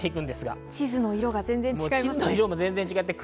地図の色が全然違います。